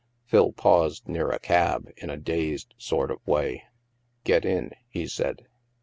Phil paused near a cab, in a dazed sort of way. " Get in," he said.